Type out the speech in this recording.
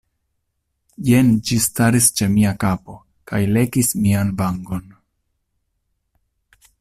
Jen ĝi staris ĉe mia kapo kaj lekis mian vangon.